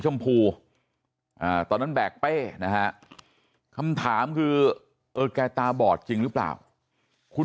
ชมพูตอนนั้นแบกเป้นะฮะคำถามคือเออแกตาบอดจริงหรือเปล่าคุณ